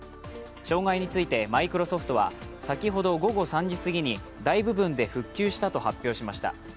障害についてマイクロソフトは先ほど午後３時過ぎに大部分で復旧したと発表しました。